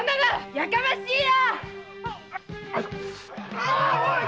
やかましいや！